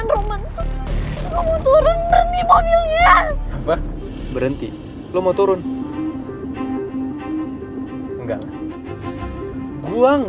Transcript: lu yang kenapa lan